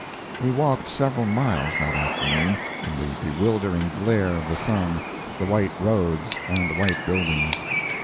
We walked several miles that afternoon in the bewildering glare of the sun, the white roads, and the white buildings.